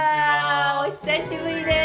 お久しぶりです。